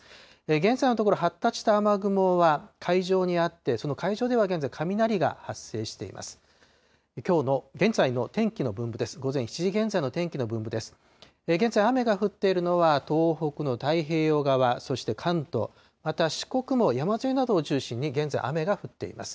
現在のところ、発達した雨雲は海上にあって、その海上には現在、雷が発生しています。